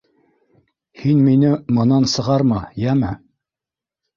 Һин мине мынан сығарма, йәме?